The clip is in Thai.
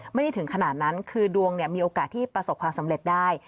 ไม่ได้ถึงขนาดนั้นคือดวงมีโอกาสที่ประสบความสำเร็จได้